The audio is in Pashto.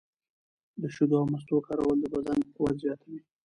د شیدو او مستو کارول د بدن قوت زیاتوي.